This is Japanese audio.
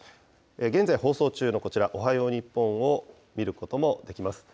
現在、放送中のこちら、おはよう日本を見ることもできます。